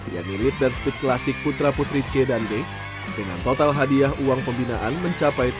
yang milik dan speed klasik putra putri c dan d dengan total hadiah uang pembinaan mencapai